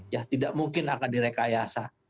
ya tidak mungkin akan direkayasa